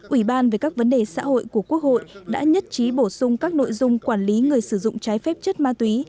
ủy ban về các vấn đề xã hội của quốc hội đã nhất trí bổ sung các nội dung quản lý người sử dụng trái phép chất ma túy